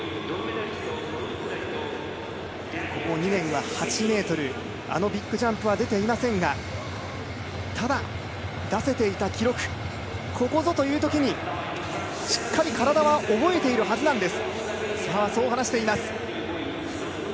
ここ２年は８ｍ、あのビッグジャンプは出ていませんがただ出せていた記録、ここぞという時にしっかり体を覚えているはずなんです。